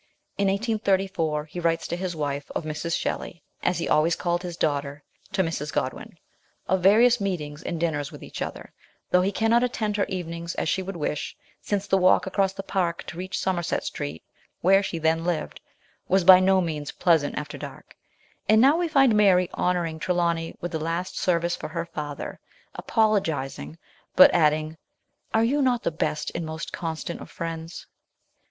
In 1834 he writes to his wife of Mrs. Shelley, as he always called his daughter to Mrs. Godwin, of various meetings and dinners with each other, though he cannot attend her evenings as he would wish, since the walk across the park to reach Somerset Street, where she then lived, was by no means pleasant after dark : and now we find Mary honour ing Trelawny with the last service for her father, apologising, but adding, " Are you not the best and most constant of friends